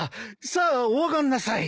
さあお上がんなさい。